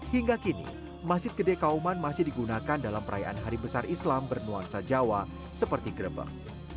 hingga kini masjid gede kauman masih digunakan dalam perayaan hari besar islam bernuansa jawa seperti grebek